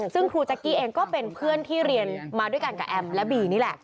ซึ่งครูแจ๊กกี้เองก็เป็นเพื่อนที่เรียนมาด้วยกันกับแอมและบีนี่แหละ